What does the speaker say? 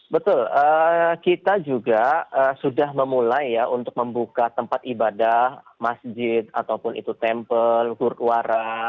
betul kita juga sudah memulai ya untuk membuka tempat ibadah masjid ataupun itu tempel huruara